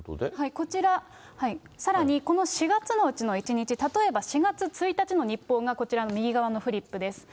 こちら、さらにこの４月のうちの１日、例えば４月１日の日報がこちらの右側のフリップです。